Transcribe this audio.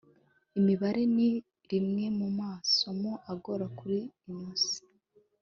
imibare ni rimwe mu ma somo agora kuri ino si